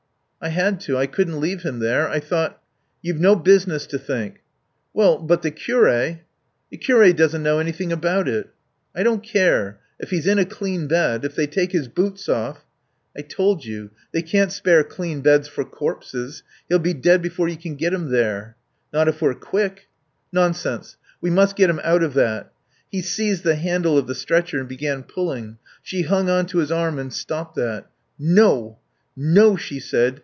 "I had to. I couldn't leave him there. I thought " "You've no business to think." "Well, but the curé " "The curé doesn't know anything about it." "I don't care. If he's in a clean bed if they take his boots off " "I told you they can't spare clean beds for corpses. He'll be dead before you can get him there." "Not if we're quick." "Nonsense. We must get him out of that." He seized the handle of the stretcher and began pulling; she hung on to his arm and stopped that. "No. No," she said.